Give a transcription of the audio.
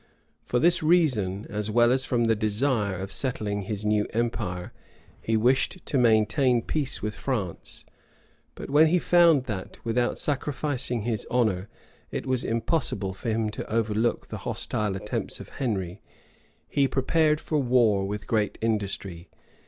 For this reason, as well as from the desire of settling his new empire, he wished to maintain peace with France; but when he found that, without sacrificing his honor, it was impossible for him to overlook the hostile attempts of Henry, he prepared for war with great industry.